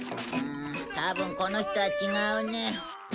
たぶんこの人は違うね。